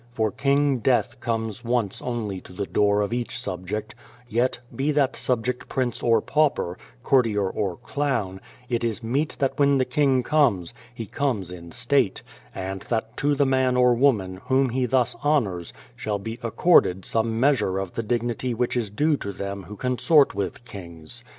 For King Death comes once only to the door of each subject, yet, be that subject prince or pauper, courtier or clown, it is meet that when the king comes, he comes in state, and that to the man or woman, whom he thus honours, shall be accorded some mea sure of the dignity which is due to them who consort with kings.